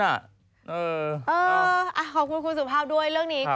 อ่าขอบคุณครูสุภาพด้วย